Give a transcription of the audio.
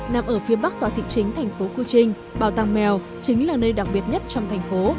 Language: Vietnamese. nằm ở phía bắc tòa thị chính thành phố cư trinh bảo tàng mèo chính là nơi đặc biệt nhất trong thành phố